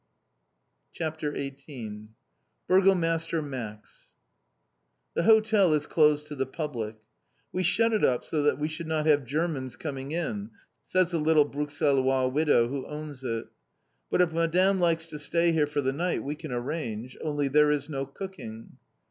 CHAPTER XVIII BURGOMASTER MAX The hotel is closed to the public. "We shut it up so that we should not have Germans coming in," says the little Bruxellois widow who owns it. "But if Madame likes to stay here for the night we can arrange, only there is no cooking!"